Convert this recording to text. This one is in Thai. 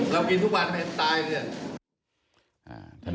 เรากินทุกวันตายเลย